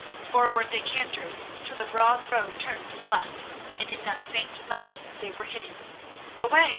Forward they cantered, till the broad road turned to the left, and in that faint light they were hidden. "Away!"